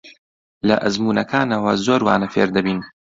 لە ئەزموونەکانەوە زۆر وانە فێر دەبین.